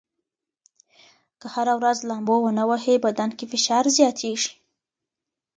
که هره ورځ لامبو ونه ووهئ، بدن کې فشار زیاتېږي.